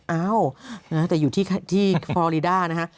เอ้าแต่อยู่ที่ฟอรีด้านะฮะ